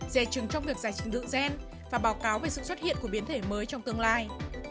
dè trừng trong việc giải trình đựng gen và báo cáo về sự xuất hiện của biến thể mới trong tương lai